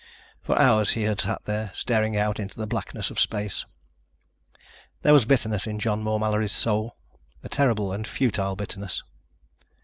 For hours he had sat there, staring out into the blackness of space. There was bitterness in John Moore Mallory's soul, a terrible and futile bitterness.